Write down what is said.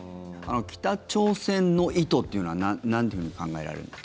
北朝鮮の意図っていうのはなんていうふうに考えられるんですか？